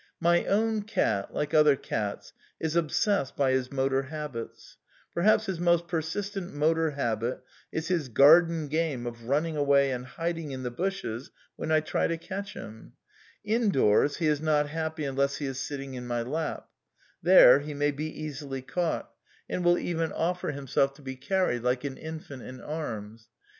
My own cat, like other cats, is obsessed by his motor habits. Perhaps his most persistent motor habit is his garden game of running away and hiding in the bushes when I try to catch him. In doors, he is not happy unless he is sitting in my lap. There he may be easily caught, and will even offer him SOME QUESTIONS OF PSYCHOLOGY 97 self to be carried like an infant in arms.